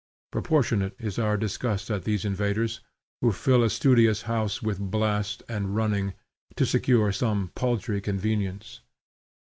Proportionate is our disgust at those invaders who fill a studious house with blast and running, to secure some paltry convenience.